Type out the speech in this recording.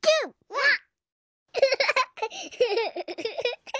わっ！